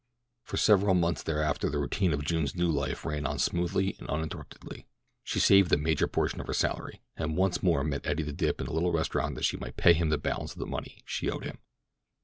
For several months thereafter the routine of June's new life ran on smoothly and uninterruptedly. She saved the major portion of her salary, and once more met Eddie the Dip in the little restaurant that she might pay him the balance of the money she owed him.